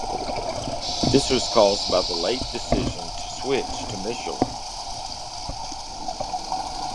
This was caused by the late decision to switch to Michelin.